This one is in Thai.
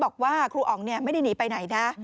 บอกว่าครูอ๋องไม่ได้หนีไปไหนนะ